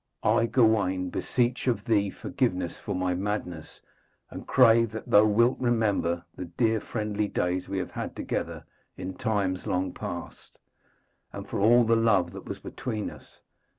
I, Gawaine, beseech of thee forgiveness for my madness, and crave that thou wilt remember the dear friendly days we have had together in times long past, and for all the love that was between us.